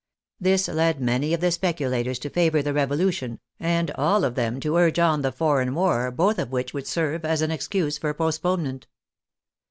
This led many of the specu lators to favor the Revolution, and all of them to urge on the foreign war, both of which would serve as an ex cuse for postponement.